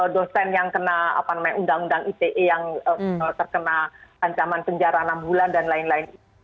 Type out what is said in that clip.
dosen yang kena undang undang ite yang terkena ancaman penjara enam bulan dan lain lain